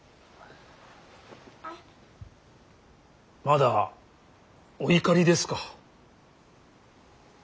まだお怒りですか。